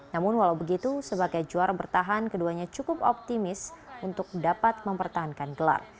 namun walau begitu sebagai juara bertahan keduanya cukup optimis untuk dapat mempertahankan gelar